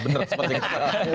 benar seperti itu